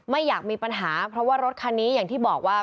อยากมีปัญหาเพราะว่ารถคันนี้อย่างที่บอกว่า